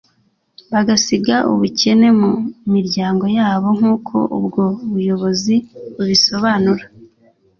bagasiga ubukene mu miryango yabo nk’uko ubwo buyobozi bubisobanura